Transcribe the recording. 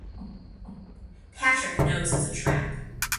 Patrick knows it's a trap.